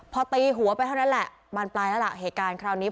พอตีหัวไปเท่านั้นแหละบานปลายแล้วล่ะเหตุการณ์คราวนี้